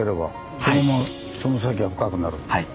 はい。